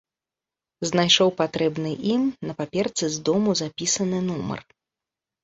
Знайшоў патрэбны ім, на паперцы з дому запісаны, нумар.